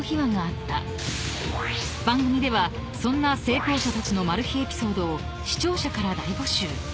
［番組ではそんな成功者たちのマル秘エピソードを視聴者から大募集］